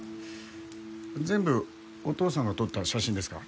全部お父さんが撮った写真ですか？